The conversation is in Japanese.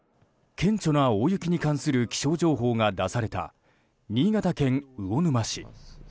顕著な大雪に関する気象情報が出された新潟県魚沼市。